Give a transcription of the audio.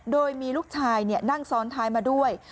โดยมีลูกชายนั่งซ้อนท้ายมาด้วย